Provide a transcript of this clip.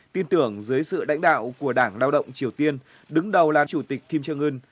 tin tưởng dưới sự lãnh đạo của đảng lao động triều tiên đứng đầu là chủ tịch kim trương ưn